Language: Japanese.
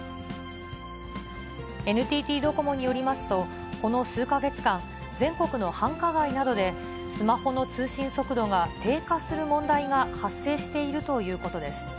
ＮＴＴドコモによりますと、この数か月間、全国の繁華街などで、スマホの通信速度が低下する問題が発生しているということです。